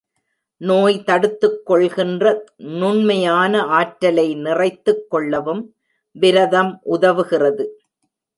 நோய் தடுத்துக் கொள்கின்ற நுண்மையான ஆற்றலை நிறைத்துக் கொள்ளவும் விரதம் உதவுகிறது.